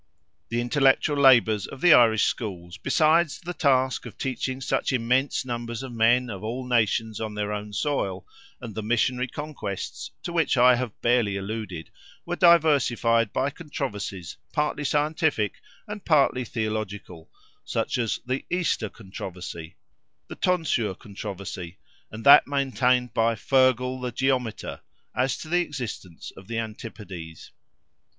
The intellectual labours of the Irish schools, besides the task of teaching such immense numbers of men of all nations on their own soil, and the missionary conquests to which I have barely alluded, were diversified by controversies, partly scientific and partly theological—such as the "Easter Controversy," the "Tonsure Controversy," and that maintained by "Feargal the Geometer," as to the existence of the Antipodes.